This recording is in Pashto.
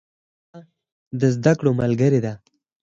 پیاله د زده کړو ملګرې ده.